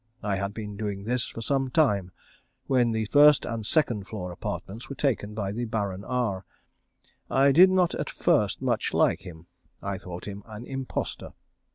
I had been doing this for some time, when the first and second floor apartments were taken by the Baron R. I did not at first much like him. I thought him an impostor.